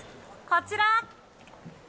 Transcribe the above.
こちら。